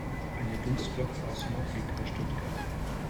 Eine Dunstglocke aus Smog liegt über Stuttgart.